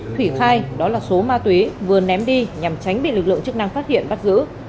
thủy khai đó là số ma túy vừa ném đi nhằm tránh bị lực lượng chức năng phát hiện bắt giữ